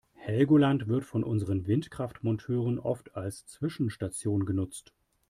Helgoland wird von unseren Windkraftmonteuren oft als Zwischenstation genutzt.